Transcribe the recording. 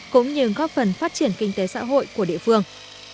cũng như góp phần phát triển kinh tế xã hội của địa phương